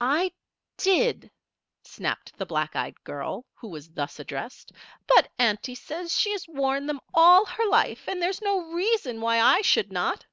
"I did," snapped the black eyed girl who was thus addressed. "But auntie says she has worn them all her life, and there is no reason why I should not."